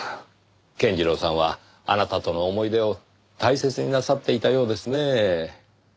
健次郎さんはあなたとの思い出を大切になさっていたようですねぇ。